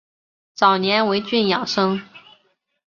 早年为郡庠生。